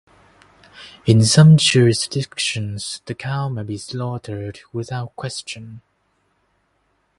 In some jurisdictions the cow may be slaughtered without question.